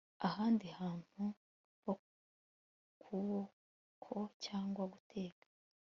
ahandi hantu ho kuboko cyangwa guteka